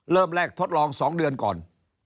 เริ่มแรกทดลอง๒เดือนก่อน